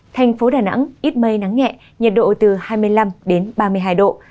thành phố đà nẵng ít mây nắng nhẹ nhiệt độ từ hai mươi năm đến ba mươi hai độ